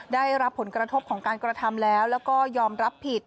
ได้รับผลกระทบของการกระทำแล้วแล้วก็ยอมรับผิด